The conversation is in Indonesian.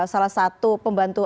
salah satu pembantu